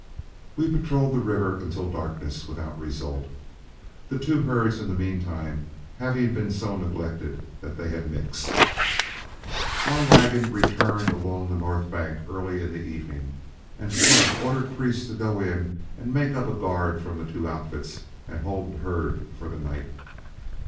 We patrolled the river until darkness without result, the two herds in the mean time having been so neglected that they had mixed. Our wagon returned along the north bank early in the evening, and Flood ordered Priest to go in and make up a guard from the two outfits and hold the herd for the night.